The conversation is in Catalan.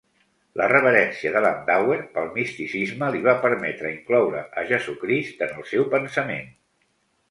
La reverència de Landauer pel misticisme li va permetre incloure a Jesucrist en el seu pensament.